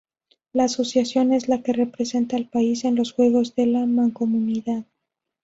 La asociación es la que representa al país en los Juegos de la Mancomunidad.